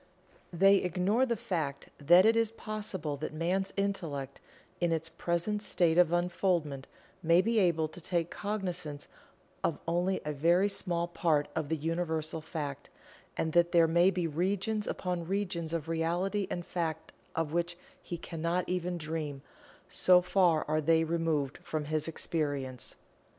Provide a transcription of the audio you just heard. They ignore the fact that it is possible that Man's Intellect, in its present state of unfoldment, may be able to take cognizance of only a very small part of the Universal Fact, and that there may be regions upon regions of Reality and Fact of which he cannot even dream, so far are they removed from his experience.